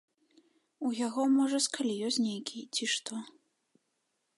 У яго можа скаліёз нейкі ці што.